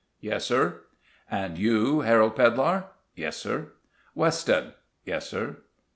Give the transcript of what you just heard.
"Yes, sir." "And you, Harold Pedlar?" "Yes, sir." "Weston?" "Yes, sir."